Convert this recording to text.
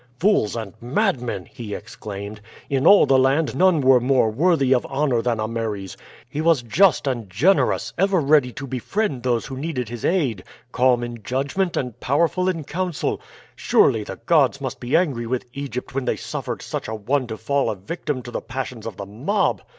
"Fools and madmen!" he exclaimed; "in all the land none were more worthy of honor than Ameres. He was just and generous, ever ready to befriend those who needed his aid, calm in judgment, and powerful in council. Surely the gods must be angry with Egypt when they suffered such a one to fall a victim to the passions of the mob.